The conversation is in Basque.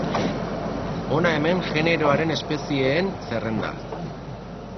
Hona hemen generoaren espezieen zerrenda.